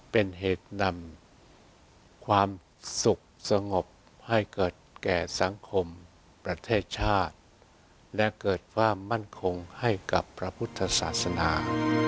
เป็นเหตุนำความสุขสงบให้เกิดแก่สังคมประเทศชาติและเกิดความมั่นคงให้กับพระพุทธศาสนา